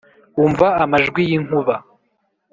umva amajwi yinkuba,.